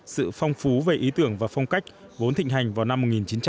sự phong phú về ý tưởng và phong cách vốn thịnh hành vào năm một nghìn chín trăm bảy mươi